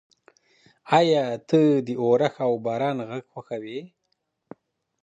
ایا ته د اورښت او باران غږ خوښوې؟